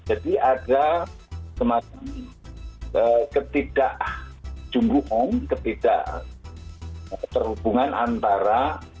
jadi ada semacam ketidakjungguhung ketidakperhubungan antara